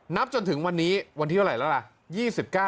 จนถึงวันนี้วันที่เท่าไหร่แล้วล่ะ